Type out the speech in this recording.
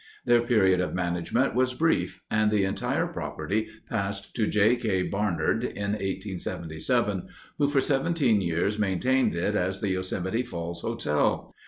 Their period of management was brief, and the entire property passed to J. K. Barnard in 1877, who for seventeen years maintained it as the Yosemite Falls Hotel.